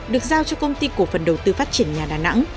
được giao cho công ty cổ phần đầu tư phát triển nhà đà nẵng